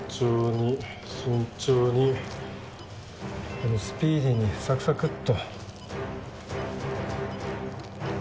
でもスピーディーにサクサクッと。